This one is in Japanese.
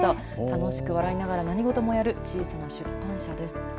楽しく笑いながら何事もやる小さな出版社ですと。